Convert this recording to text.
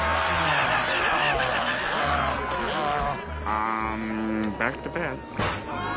ああ。